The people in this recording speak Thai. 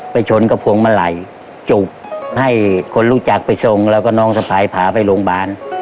ไปชนกระพวงมะไหล่จุบให้คนรู้จักไปทรงแล้วก็น้องสะพายผ่าไปโรงบาล